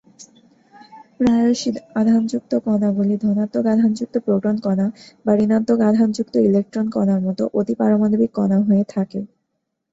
প্রায়শই আধানযুক্ত কণাগুলি ধনাত্মক আধানযুক্ত প্রোটন কণা বা ঋণাত্মক আধানযুক্ত ইলেকট্রন কণার মতো অতিপারমাণবিক কণা হয়ে থাকে।